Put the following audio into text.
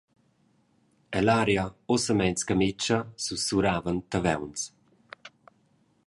Ell’aria, ussa meins cametscha, sussuravan tavauns.